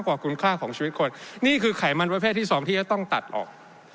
กว่าคุณค่าของชีวิตคนนี่คือไขมันประเภทที่สองที่จะต้องตัดออก